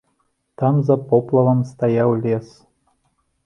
Там за поплавам стаяў лес.